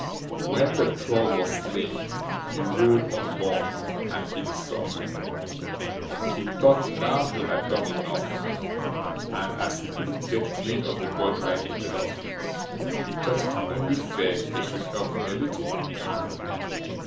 When the Troll was slain he rowed on board and hid his sword. He thought now he had done enough, and as he couldn't get rid of the body by himself, he thought it only fair they should help him a little.